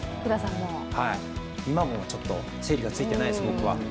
今もちょっと、整理がついてないです、僕は。